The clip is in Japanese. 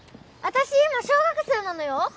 私今小学生なのよ